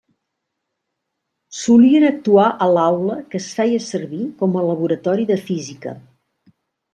Solien actuar a l'aula que es feia servir com a laboratori de Física.